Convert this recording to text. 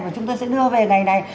và chúng tôi sẽ đưa về ngày này